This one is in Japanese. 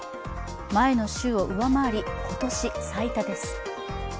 前の週を上回り、今年最多です。